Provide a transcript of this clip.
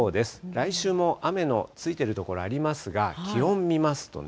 来週も雨のついている所ありますが、気温見ますとね。